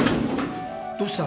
どうした？